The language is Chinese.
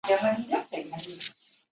美洲攀鼠属等之数种哺乳动物。